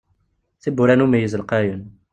Tiwwura n umeyyez lqayen.